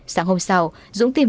sáng hôm sau dũng tìm